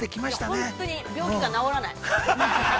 ◆本当に病気が治らない。